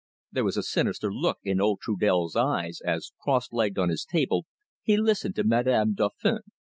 There was a sinister look in old Trudel's eyes as, cross legged on his table, he listened to Madame Dauphin.